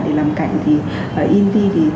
để làm cảnh thì invi